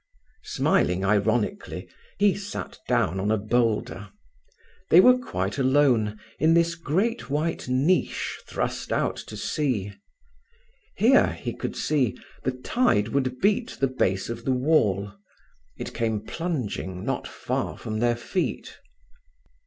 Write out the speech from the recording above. Smiling ironically, he sat down on a boulder. They were quite alone, in this great white niche thrust out to sea. Here, he could see, the tide would beat the base of the wall. It came plunging not far from their feet.